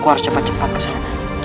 aku harus cepat cepat ke sana